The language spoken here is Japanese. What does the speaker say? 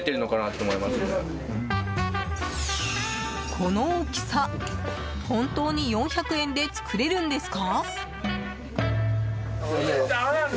この大きさ、本当に４００円で作れるんですか？